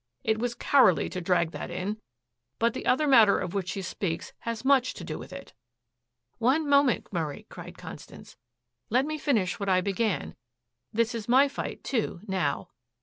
It was cowardly to drag that in. But the other matter of which she speaks has much to do with it." "One moment, Murray," cried Constance. "Let me finish what I began. This is my fight, too, now."